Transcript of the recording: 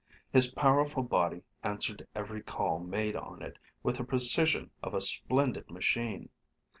His powerful body answered every call made on it with the precision of a splendid machine.